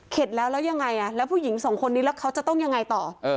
แล้วแล้วยังไงแล้วผู้หญิงสองคนนี้แล้วเขาจะต้องยังไงต่อ